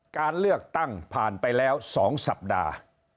การเลือกตั้งผ่านไปแล้ว๒สัปดาห์